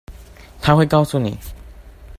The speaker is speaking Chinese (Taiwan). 她會告訴你